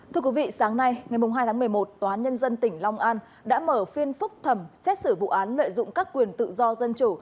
thưa quý vị sáng nay ngày hai tháng một mươi một tòa án nhân dân tỉnh long an đã mở phiên phúc thẩm xét xử vụ án lợi dụng các quyền tự do dân chủ